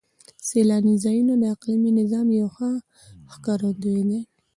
سیلاني ځایونه د اقلیمي نظام یو ښه ښکارندوی دی.